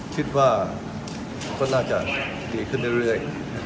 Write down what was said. คิดว่าก็น่าจะดีขึ้นเรื่อย